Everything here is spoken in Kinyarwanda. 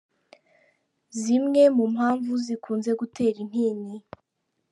Zimwe mu mpamvu zikunze gutera intinyi:.